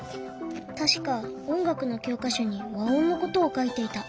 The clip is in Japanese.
確か音楽の教科書に和音のことを書いていた。